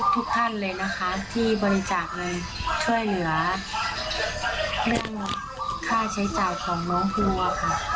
ทุกท่านเลยนะคะที่บริจาคเลยช่วยเหลือเรื่องค่าใช้จ่ายของน้องภูอะค่ะ